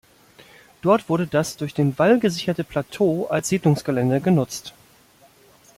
Dort wurde das durch den Wall gesicherte Plateau als Siedlungsgelände genutzt.